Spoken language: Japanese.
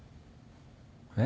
えっ？